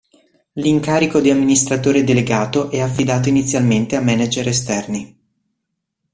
L'incarico di amministratore delegato è affidato inizialmente a manager esterni.